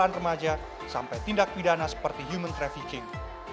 dan remaja sampai tindak pidana seperti human trafficking